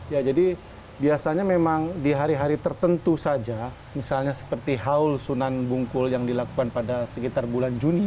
ya jadi biasanya memang di hari hari tertentu saja misalnya seperti haul sunan bungkul yang dilakukan pada sekitar bulan juni